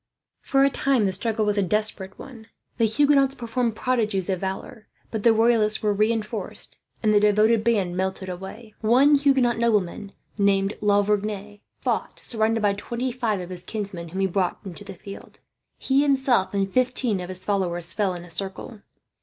For a time the struggle was a desperate one. The Huguenots performed prodigies of valour; but the Royalists were reinforced, and the devoted band melted away. One Huguenot nobleman, named La Vergne, fought surrounded by twenty five of his kinsmen whom he brought into the field. He himself, and fifteen of his followers, fell in a circle.